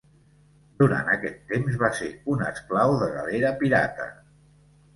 Durant aquest temps va ser un esclau de galera pirata.